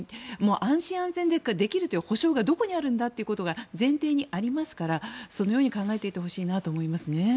安心・安全でできるという保証はどこにあるんだということが前提にありますからそのように考えてほしいと思います。